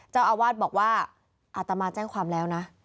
เจ้าอาวาสบอกว่าอาตมาแจ้งความแล้วนะ